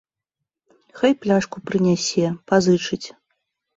Хай пляшку прынясе, пазычыць.